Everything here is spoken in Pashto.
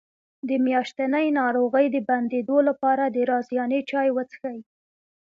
د میاشتنۍ ناروغۍ د بندیدو لپاره د رازیانې چای وڅښئ